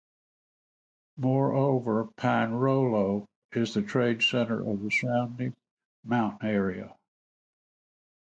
Moreover, Pinerolo is the trade center of the surrounding mountain area.